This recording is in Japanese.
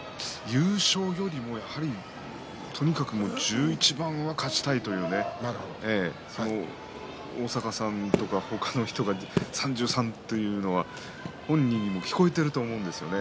優勝よりも、やはりとにかく１１番が勝ちたいという大坂さんとか他の人が３３というのは本人にも聞こえていると思うんですよね。